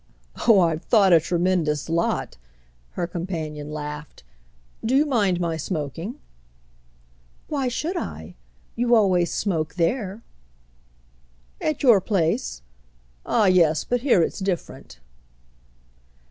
"Oh I've thought a tremendous lot!" her companion laughed. "Do you mind my smoking?" "Why should I? You always smoke there." "At your place? Oh yes, but here it's different."